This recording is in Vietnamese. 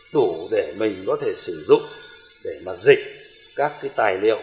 đủ để mình có thể sử dụng để mà dịch các cái tài liệu